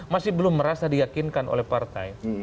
masih belum merasa diyakinkan oleh partai